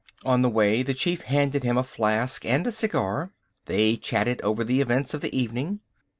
On the way the chief handed him a flask and a cigar. They chatted over the events of the evening.